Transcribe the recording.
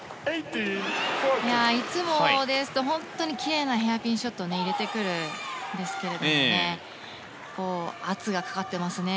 いつもですときれいなヘアピンショットを入れてくるんですけれども圧がかかってますね。